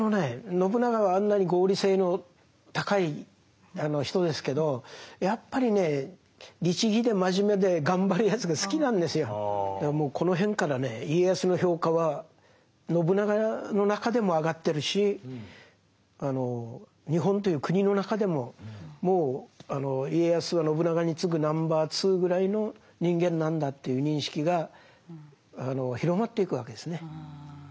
信長はあんなに合理性の高い人ですけどやっぱりねだからもうこの辺からね家康の評価は信長の中でも上がってるし日本という国の中でももう家康は信長につぐナンバー２ぐらいの人間なんだという認識が広まっていくわけですね。